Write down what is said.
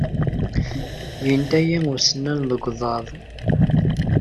Yenta-yi usennan deg uḍad.